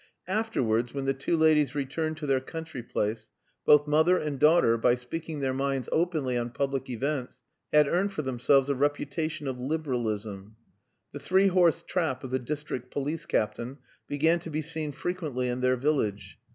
Afterwards, when the two ladies returned to their country place, both mother and daughter, by speaking their minds openly on public events, had earned for themselves a reputation of liberalism. The three horse trap of the district police captain began to be seen frequently in their village.